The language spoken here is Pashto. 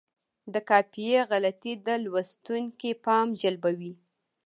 د قافیې غلطي د لوستونکي پام جلبوي.